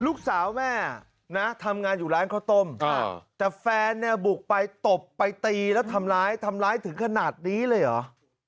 ลูกสาวแม่นะทำงานอยู่ร้านข้าวต้มแต่แฟนเนี่ยบุกไปตบไปตีแล้วทำร้ายทำร้ายถึงขนาดนี้เลยเหรอ